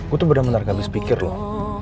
gue tuh bener bener nggak bisa pikir loh